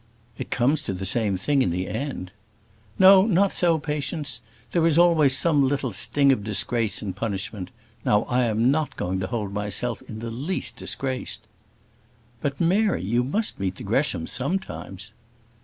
"It comes to the same thing in the end." "No, not so, Patience; there is always some little sting of disgrace in punishment: now I am not going to hold myself in the least disgraced." "But, Mary, you must meet the Greshams sometimes."